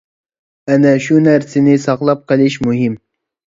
ئەنە شۇ نەرسىنى ساقلاپ قېلىش مۇھىم.